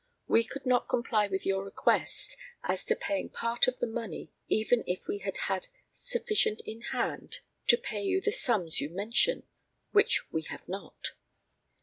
We could not comply with your request as to paying part of the money even if we had had sufficient in hand to pay you the sums you mention, which we have not.